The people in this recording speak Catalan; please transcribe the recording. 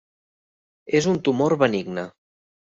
És un tumor benigne.